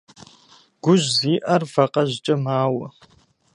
Гужь зиӀэр вакъэжькӀэ мауэ.